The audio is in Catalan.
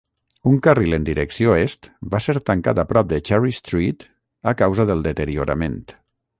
Un carril en direcció est va ser tancat a prop de Cherry Street a causa del deteriorament.